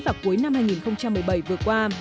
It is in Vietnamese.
vào cuối năm hai nghìn một mươi bảy vừa qua